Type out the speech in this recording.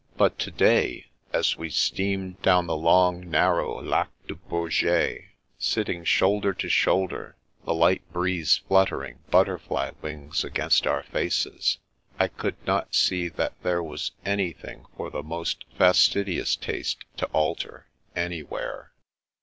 But to day, as we steamed down the long, narrow Lac de Bourget, sitting shoulder to shoulder, the light breeze fluttering butterfly wings against our faces, I could not see that there was any thing for the most fastidious taste to alter, any where.